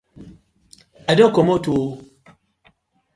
I don kom oo!!